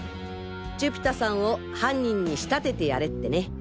寿飛太さんを犯人に仕立ててやれってね。